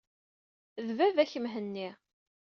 D baba-k Mhenni.